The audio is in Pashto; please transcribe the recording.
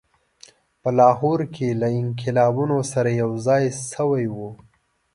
په لاهور کې له انقلابیونو سره یوځای شوی وو.